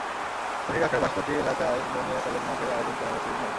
শনির আখড়ার বাঁশপট্টি এলাকায় দনিয়া কলেজ মাঠেও আয়োজন করা হয়েছে ঈদমেলা।